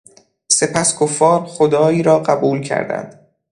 سپس کفار، خدایی او را قبول کردند.